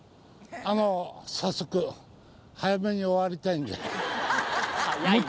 あの早速、早めに終わりたいんで。